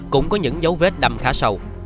cũng có những dấu vết đâm khá sâu